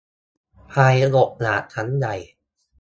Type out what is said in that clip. ภัยอดอยาก ครั้งใหญ่